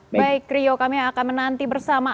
baik rio kami akan menanti bersama